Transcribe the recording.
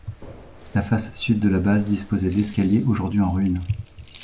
La face sud de la base disposait d'escaliers, aujourd'hui en ruines.